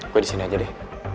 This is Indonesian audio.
kue di sini aja deh